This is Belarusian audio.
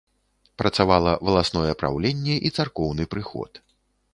Працавала валасное праўленне і царкоўны прыход.